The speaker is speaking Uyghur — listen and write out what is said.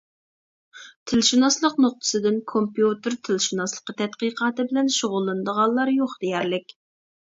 تىلشۇناسلىق نۇقتىسىدىن كومپيۇتېر تىلشۇناسلىقى تەتقىقاتى بىلەن شۇغۇللىنىدىغانلار يوق دېيەرلىك.